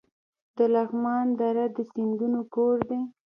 د لغمان دره د سیندونو کور دی